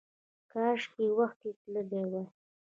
کاشکې وختي تللی وای!